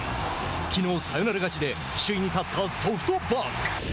きのうサヨナラ勝ちで首位に立ったソフトバンク。